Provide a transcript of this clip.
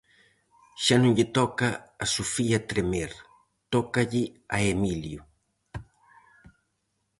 Xa non lle toca a Sofía tremer, tócalle a Emilio.